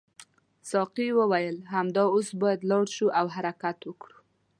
ساقي وویل همدا اوس باید لاړ شو او حرکت وکړو.